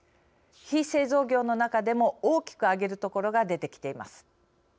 非製造業の中でも大きく上げるところが出てきています。